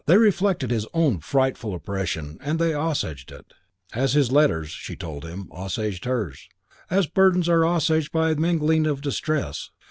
They reflected his own frightful oppression and they assuaged it, as his letters, she told him, assuaged hers, as burdens are assuaged by mingling of distress.